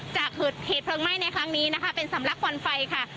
จากเหตุเพลิงไหม้ในครั้งนี้นะคะเป็นสำลักควันไฟค่ะ